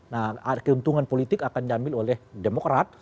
nah keuntungan politik akan diambil oleh demokrat